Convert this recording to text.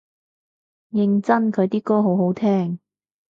認真佢啲歌好好聽？